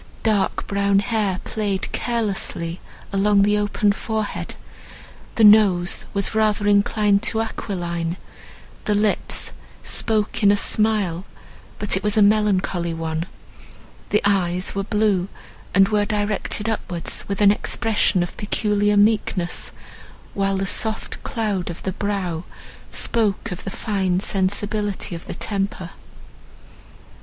Dark brown hair played carelessly along the open forehead; the nose was rather inclined to aquiline; the lips spoke in a smile, but it was a melancholy one; the eyes were blue, and were directed upwards with an expression of peculiar meekness, while the soft cloud of the brow spoke of the fine sensibility of the temper.